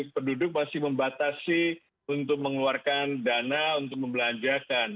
penduduk masih membatasi untuk mengeluarkan dana untuk membelanjakan